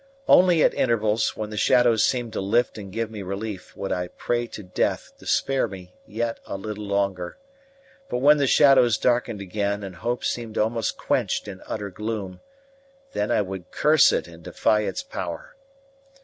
Only at intervals, when the shadows seemed to lift and give me relief, would I pray to Death to spare me yet a little longer; but when the shadows darkened again and hope seemed almost quenched in utter gloom, then I would curse it and defy its power.